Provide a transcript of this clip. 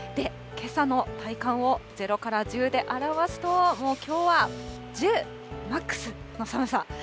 けさの体感を０から１０で表すと、もうきょうは１０、マックスの寒さ。